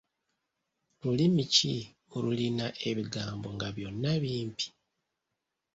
Lulimi ki olulina ebigambo nga byonna bimpi?